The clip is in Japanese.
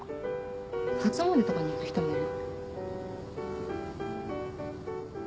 初詣とかに行く人もいる。